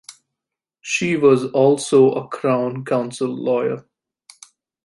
She was also a Crown Counsel lawyer.